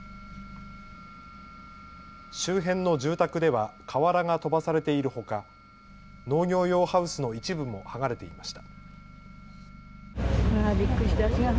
周辺の住宅では瓦が飛ばされているほか、農業用ハウスの一部も剥がれていました。